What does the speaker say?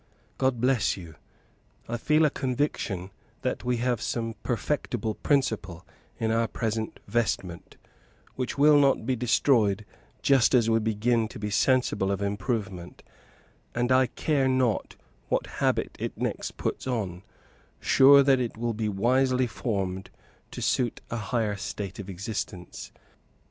God bless you! I feel a conviction that we have some perfectible principle in our present vestment, which will not be destroyed just as we begin to be sensible of improvement; and I care not what habit it next puts on, sure that it will be wisely formed to suit a higher state of existence.